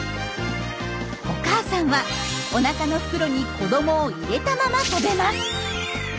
お母さんはおなかの袋に子どもを入れたまま飛べます。